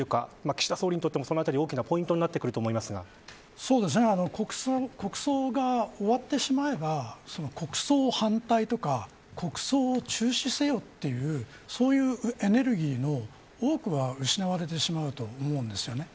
岸田総理にとってもその辺りは大きなポイントに国葬が終わってしまえば国葬反対とか国葬中止せよっていうそういうエネルギーの多くは失われてしまうと思うんですね。